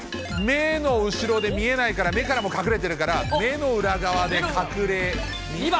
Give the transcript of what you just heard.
目の後ろで見えないから、目からも隠れているから、目の裏側でカクレメ？